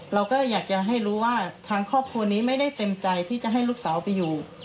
เราก็อยากจะให้รู้ว่าทางครอบครัวนี้ไม่ได้เต็มใจที่จะให้ลูกสาวไปอยู่